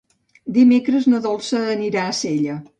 Dimecres na Dolça anirà a Sella.